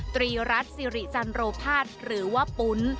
ตรีรัฐสริจรโรพาจหรือว่าปุ้น